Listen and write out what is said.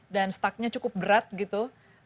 dan stucknya cukup berat gitu